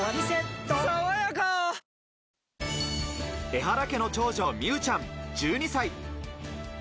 エハラ家の長女・美羽ちゃん１２歳。